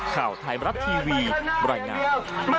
ข่าวไทยบรับทีวีบร่อยงาน